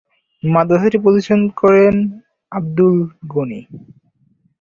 মাদ্রাসাটি প্রতিষ্ঠা করেন আব্দুল গণি।